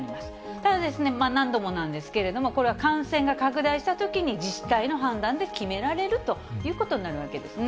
ただ、何度もなんですけれども、これは感染が拡大したときに自治体の判断で決められるということになるわけですね。